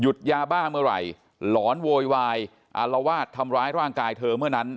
ยาบ้าเมื่อไหร่หลอนโวยวายอารวาสทำร้ายร่างกายเธอเมื่อนั้น